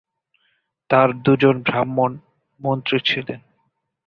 তার দু-জন ব্রাহ্মণ মন্ত্রী ছিলেন।